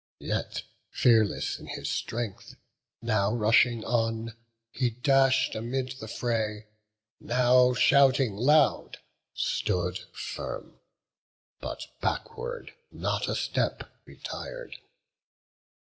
Yet, fearless in his strength, now rushing on He dash'd amid the fray; now, shouting loud, Stood firm; but backward not a step retir'd.